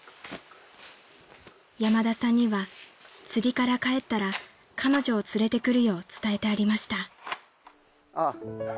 ［山田さんには釣りから帰ったら彼女を連れてくるよう伝えてありました］